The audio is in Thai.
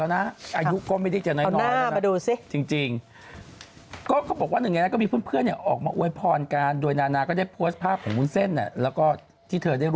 นี่ดูดิมันแบบนะมันแบบผอมกับอีโอ๊บปะละ